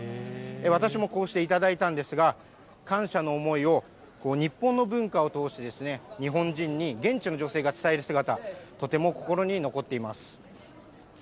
私もこうして頂いたんですが、感謝の思いを、日本の文化を通して、日本人に現地の女性が伝える姿、とても心に残っています。